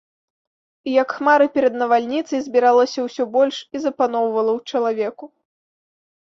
І як хмары перад навальніцай збіралася ўсё больш і запаноўвала ў чалавеку.